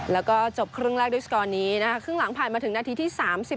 แล้วก็จบครึ่งแรกด้วยสกอร์นี้นะคะครึ่งหลังผ่านมาถึงนาทีที่๓๐